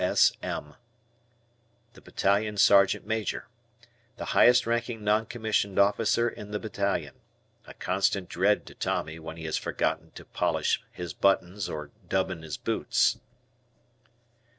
B.S.M. Battalion Sergeant Major. The highest ranking non commissioned officer in the battalion. A constant dread to Tommy when he has forgotten to polish his buttons or dubbin his boots.